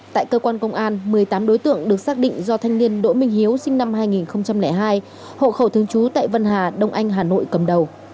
tại cơ quan công an một mươi tám đối tượng được xác định do thanh niên đỗ minh hiếu sinh năm hai nghìn hai hộ khẩu thương chú tại vân hà đông anh hà nội cầm đầu